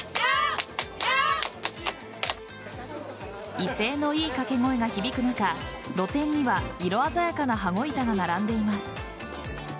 威勢のいい掛け声が響く中露店には色鮮やかな羽子板が並んでいます。